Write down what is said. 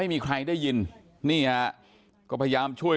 ติดเตียงได้ยินเสียงลูกสาวต้องโทรศัพท์ไปหาคนมาช่วย